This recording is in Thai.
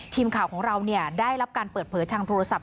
ทีมข่าวของเราได้รับการเปิดเผยทางโทรศัพท์